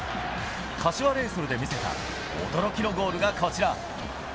柏レイソルで見せた驚きのゴールがこちら。